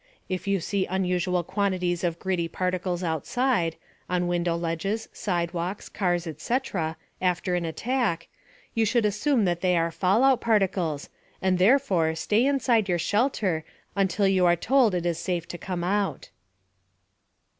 If you see unusual quantities of gritty particles outside (on window ledges, sidewalks, cars, etc.) after an attack, you should assume that they are fallout particles, and therefore stay inside your shelter until you are told it is safe to come out.